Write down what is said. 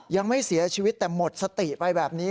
ยังไม่เสียชีวิตแต่หมดสติไปแบบนี้